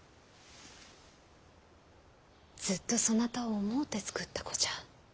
ずっとそなたを思うて作った子じゃ。